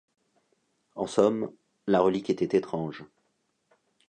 En somme, la relique était étrange.